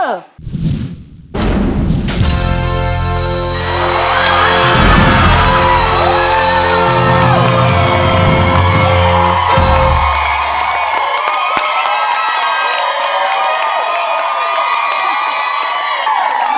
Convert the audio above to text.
สามสิบคะแนน